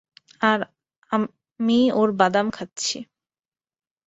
আর আমি ওর বাদাম খাচ্ছি।